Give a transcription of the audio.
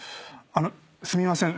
すみません。